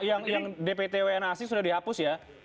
oh tapi yang dpt wn asing sudah dihapus ya